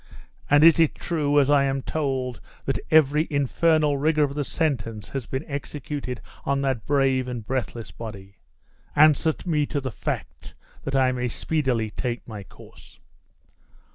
And is it true, as I am told, that every infernal rigor of the sentence has been executed on that brave and breathless body! Answer me to the fact, that I may speedily take my course!"